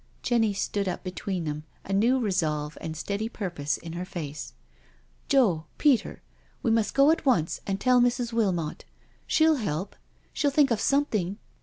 Jenny stood up between them, a new resolve and steady purpose in her face: " Joe — Peter — we must go at once and tell Mrs. Wilmot. She'll help— she'll think of something.